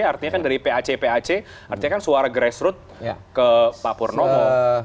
artinya kan dari pac pac artinya kan suara grassroot ke pak purnomo